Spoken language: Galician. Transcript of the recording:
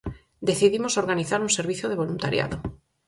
Decidimos organizar un servizo de voluntariado.